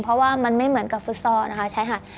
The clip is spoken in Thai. เพราะว่ามันไม่เหมือนกับฟุตซอลนะคะชายหาด